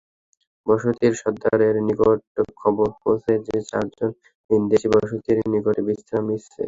বসতির সর্দারের নিকট খবর পৌঁছে যে, চারজন ভিনদেশী বসতির নিকটে বিশ্রাম নিচ্ছে।